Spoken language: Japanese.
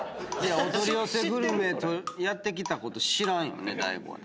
お取り寄せグルメやってきたこと知らんよね？